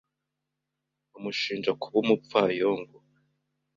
bamushinja kuba umupfayongo